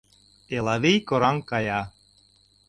Элавий кораҥ кая.